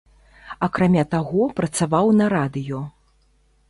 Акрамя таго, працаваў на радыё.